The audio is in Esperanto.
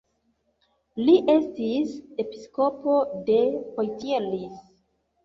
Li estis episkopo de Poitiers.